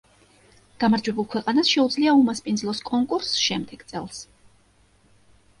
გამარჯვებულ ქვეყანას შეუძლია უმასპინძლოს კონკურსს შემდეგ წელს.